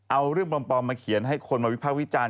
เอาเรื่องปลอมมาเขียนให้คนมาวิภาควิจารณ์